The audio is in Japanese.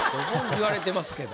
言われてますけど。